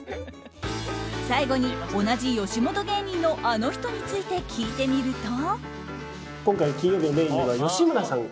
最後に、同じ吉本芸人のあの人について聞いてみると。